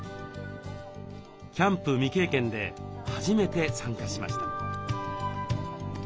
キャンプ未経験で初めて参加しました。